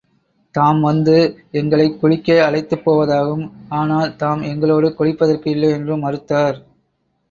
தாம் வந்து எங்களைக் குளிக்க அழைத்துப் போவதாகவும், ஆனால் தாம் எங்களோடு குளிப்பதற்கு இல்லை என்றும் மறுத்தார்.